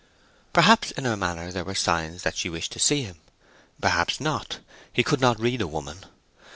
Perhaps in her manner there were signs that she wished to see him—perhaps not—he could not read a woman.